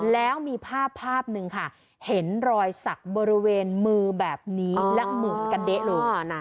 แล้วมีภาพนึงค่ะเห็นรอยสักบริเวณมือแบบนี้และหมุนกระเด๊ะลง